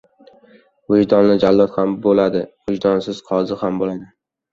• Vijdonli jallod ham bo‘ladi, vijdonsiz qozi ham bo‘ladi.